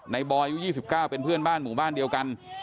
นายบอยอยู่ยูสิบเก้าเป็นเพื่อนบ้านหมู่บ้านเดียวกัน